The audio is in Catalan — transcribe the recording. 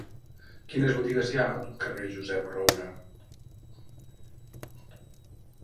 Quines botigues hi ha al carrer de Josep Roura?